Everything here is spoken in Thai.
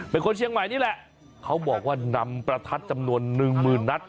เป็นคนเชียงใหม่นี่แหละเขาบอกว่านำประทัดจำนวนหนึ่งหมื่นนัด